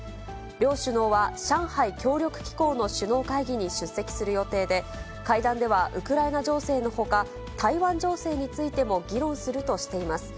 両首脳は上海協力機構の首脳会議に出席する予定で、会談では、ウクライナ情勢のほか、台湾情勢についても議論するとしています。